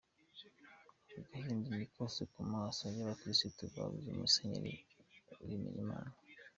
Agahinda ni kose ku maso y’abakirisitu babuze Musenyeri Bimenyimana.